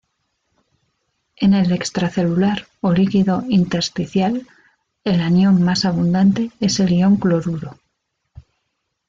En el extracelular o líquido intersticial, el anión más abundante es el ion cloruro.